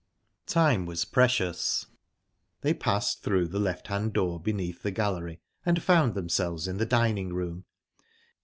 Time was precious. They passed through the left hand door beneath the gallery, and found themselves in the dining room.